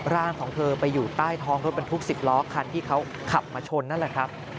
ร่างของเธอไปอยู่ใต้ท้องรถบรรทุก๑๐ล้อคันที่เขาขับมาชนนั่นแหละครับ